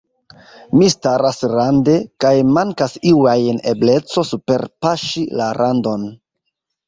Mi staras rande, kaj mankas iu ajn ebleco superpaŝi la randon.